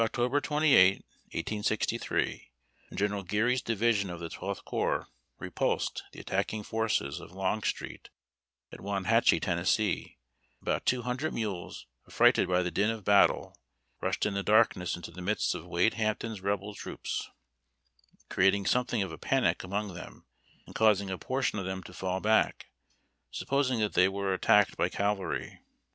295 On the night of Oct. 28, 1863, when General Geary's Division of the Twelftli Corps repulsed tlie attacking forces of Longstreet at Wauhatchie, Tennessee, about two hun dred mules, affrighted by the din of battle, rushed in the darkness into the midst of Wade Hampton's Rebel troops, creating something of a panic among them, and causing a portion of them to fall back, supposing that they were at CHARGE OF THE MULE BRIGADE. tacked by cavalry.